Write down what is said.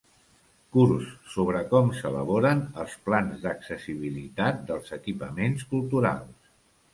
Curs sobre com s'elaboren els plans d'accessibilitat dels equipaments culturals.